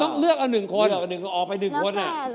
ต้องเลือกเอาหนึ่งคน